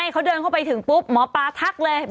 เขาเดินเข้าไปถึงปุ๊บหมอปลาทักเลย